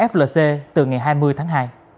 flc từ ngày hai mươi tháng hai